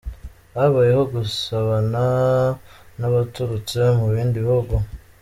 Habayeho gusabana n'abaturutse mu bindi bihugu.